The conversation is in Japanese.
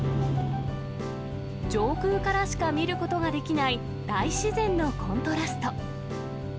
上空からしか見ることができない、大自然のコントラスト。